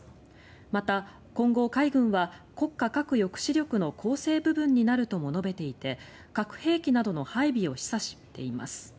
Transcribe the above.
また、今後、海軍は国家核抑止力の構成部分になるとも述べていて核兵器などの配備を示唆しています。